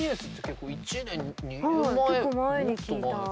結構前に聞いた。